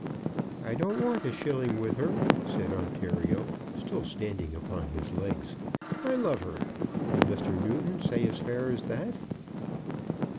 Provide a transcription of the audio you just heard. "I don't want a shilling with her!" said Ontario, still standing upon his legs. "I love her. Will Mr. Newton say as fair as that?"